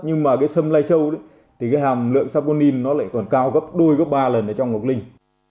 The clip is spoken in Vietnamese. nhưng mà cái sâm lai châu thì cái hàm lượng saponin nó lại còn cao gấp đôi gấp ba lần ở trong ngọc linh